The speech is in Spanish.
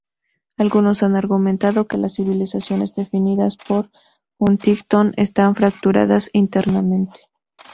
Algunos han argumentado que las civilizaciones definidas por Huntington están fracturadas internamente.